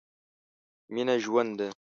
مينه ژوند ده.